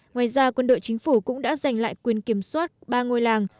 ngoài ra quân đội chính phủ cũng đã giành lại quyền kiểm soát ba ngôi làng